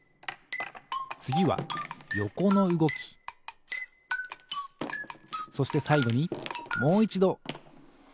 つぎはよこのうごきそしてさいごにもういちどたてのうごき。